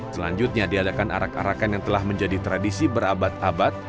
selanjutnya diadakan arak arakan yang telah menjadi tradisi berabad abad